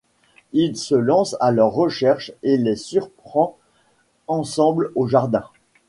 Il se lance à leur recherche et les surprend ensemble au jardin.